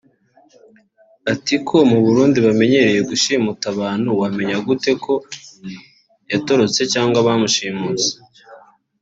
Ati “Ko mu Burundi bamenyereye gushimuta abantu wamenya gute ko yatorotse cyangwa batamushimuse